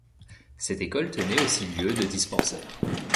Cette école tenait aussi lieu de dispensaire.